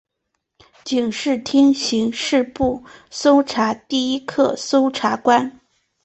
警视厅刑事部搜查第一课搜查官。